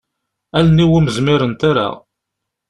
Allen-iw ur m-zmirent ara.